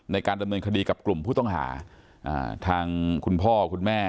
ในการดำเนินคดีกับกลุ่มผู้ต้องหาทางคุณพ่อคุณแม่